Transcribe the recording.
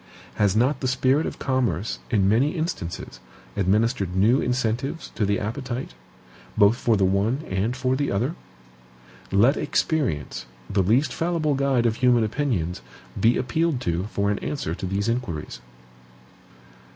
Has not the spirit of commerce, in many instances, administered new incentives to the appetite, both for the one and for the other? Let experience, the least fallible guide of human opinions, be appealed to for an answer to these inquiries.